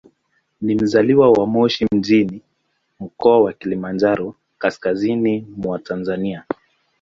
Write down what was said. Ni mzaliwa wa Moshi mjini, Mkoa wa Kilimanjaro, kaskazini mwa Tanzania.